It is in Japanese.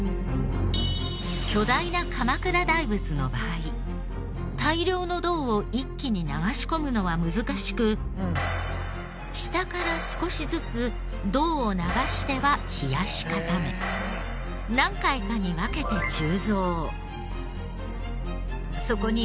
巨大な鎌倉大仏の場合大量の銅を一気に流し込むのは難しく下から少しずつ銅を流しては冷やし固め何回かに分けて鋳造。